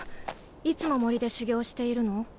いつも森で修行しているの？